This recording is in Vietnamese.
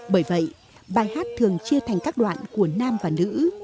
bởi vậy bài hát thường chia thành các đoạn của nam và nữ